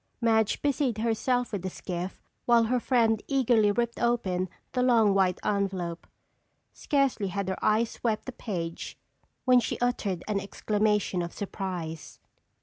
Madge busied herself with the skiff while her friend eagerly ripped open the long white envelope. Scarcely had her eyes swept the page when she uttered an exclamation of surprise.